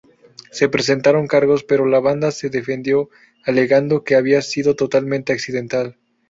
Se presentaron cargos, pero la banda se defendió alegando que había sido totalmente accidental.